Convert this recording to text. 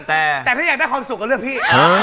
แต่ถ้าอยากได้ความสุขก็เลือกพี่